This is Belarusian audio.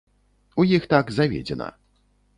У іх так заведзена.